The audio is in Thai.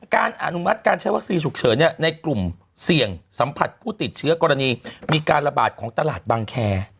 อนุมัติการใช้วัคซีนฉุกเฉินในกลุ่มเสี่ยงสัมผัสผู้ติดเชื้อกรณีมีการระบาดของตลาดบางแค